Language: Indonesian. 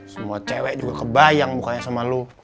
semua cewek juga kebayang mukanya sama lu